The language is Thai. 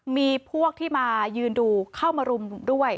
มีพวกที่มายืนดูเข้ามารุมด้วย